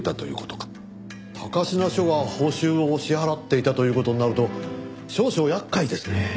高階署が報酬を支払っていたという事になると少々厄介ですね。